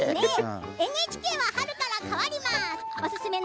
ＮＨＫは春から変わります。